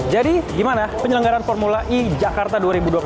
jadi gimana penyelenggaran formula i jakarta dua ribu dua puluh tiga